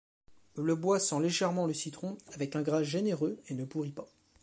Le bois sent légèrement le citron avec un grain généreux et ne pourrit pas.